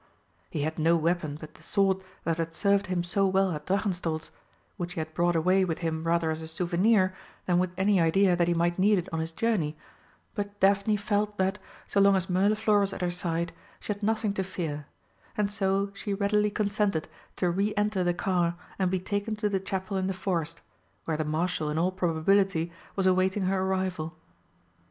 He had no weapon but the sword that had served him so well at Drachenstolz, which he had brought away with him rather as a souvenir than with any idea that he might need it on his journey, but Daphne felt that, so long as Mirliflor was at her side, she had nothing to fear, and so she readily consented to re enter the car and be taken to the Chapel in the forest, where the Marshal in all probability was awaiting her arrival.